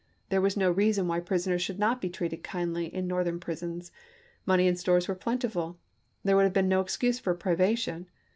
There was no reason why prisoners should not be treated kindly in Northern prisons ; money and stores were plentiful; there would have been no excuse for privation.